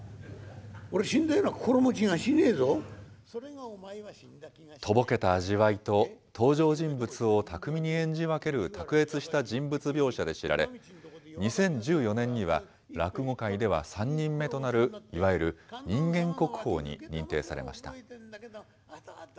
俺、とぼけた味わいと、登場人物を巧みに演じ分ける卓越した人物描写で知られ、２０１４年には落語界では３人目となる、いわゆる人間国宝に認定されました。